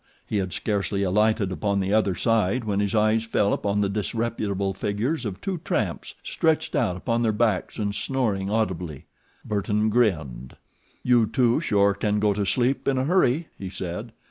He had scarcely alighted upon the other side when his eyes fell upon the disreputable figures of two tramps stretched out upon their backs and snoring audibly. Burton grinned. "You two sure can go to sleep in a hurry," he said.